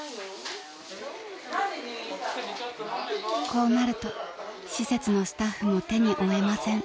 ［こうなると施設のスタッフも手に負えません］